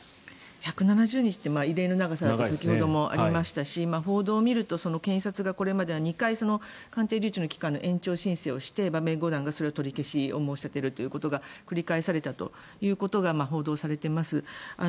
１７０日という異例の長さだという指摘も先ほどもありましたし報道を見ると検察がこれまで２回鑑定留置の期間の延長の申請をして弁護団がそれを取り消しを申し立てるということが繰り返されたと報道されています。